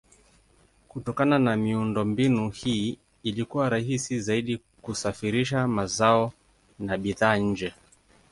Kutokana na miundombinu hii ilikuwa rahisi zaidi kusafirisha mazao na bidhaa nje.